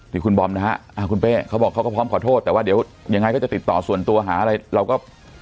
นี่คุณบอมนะฮะคุณเป้เขาบอกเขาก็พร้อมขอโทษแต่ว่าเดี๋ยวยังไงก็จะติดต่อส่วนตัวหาอะไรเราก็